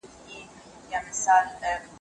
سرو کرویات له سږو څخه اکسیجن نورو بدن ته رسوي.